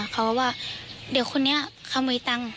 เขาบอกว่าเด็กคนนี้เขามือตังค์